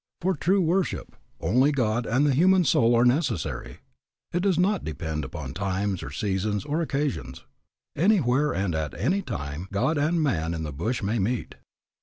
For true worship, only God and the human soul are necessary. It does not depend upon times, or seasons, or occasions. Anywhere and at any time God and man in the bush may meet.